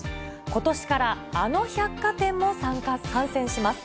ことしから、あの百貨店も参加、参戦します。